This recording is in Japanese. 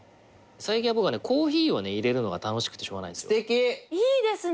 最近僕はねコーヒーを入れるのが楽しくてしょうがないんですよ。すてき！いいですね。